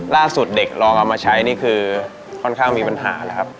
เด็กลองเอามาใช้นี่คือค่อนข้างมีปัญหาแล้วครับ